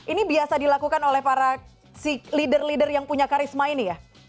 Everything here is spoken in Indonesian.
ini biasa dilakukan oleh para si leader leader yang punya karisma ini ya